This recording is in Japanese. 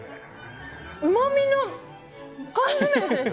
うまみの缶詰ですね。